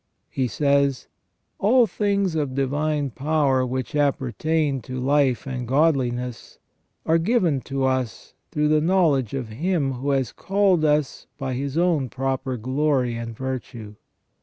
He says :" All things of divine power which appertain to life and godliness, are given to us through the knowledge of Him who has called us by His own l)roper glory and virtue.